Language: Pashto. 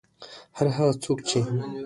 هر هغه څوک چې